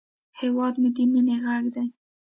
هیواد مې د مینې غږ دی